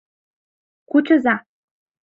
Кучыза!